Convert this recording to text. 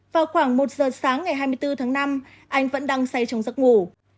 vào khoảng một giờ sáng ngày hai mươi bốn tháng năm anh vẫn đang say trong giấc ngủ